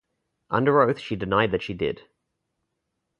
Under oath she denied that she did.